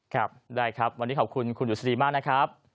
ครับได้ครับวันนี้ขอบคุณคุณดุษฎีมากนะครับ